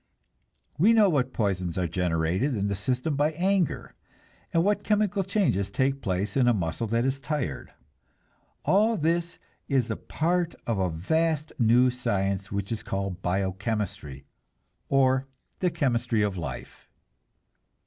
We know what poisons are generated in the system by anger, and what chemical changes take place in a muscle that is tired. All this is part of a vast new science which is called bio chemistry, or the chemistry of life.